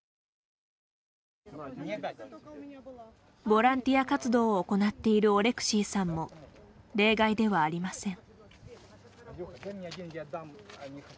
ボランティア活動を行っているオレクシーさんも例外ではありません。